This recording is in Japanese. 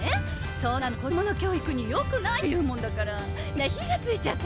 そんなの子どもの教育によくないとか言うもんだからみんな火がついちゃって。